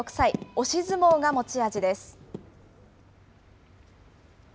押し相撲が持ち味です。